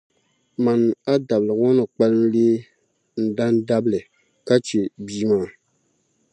mani a dabili ŋɔ ni kpalim leegi n dan’ dabili ka chɛ bia maa.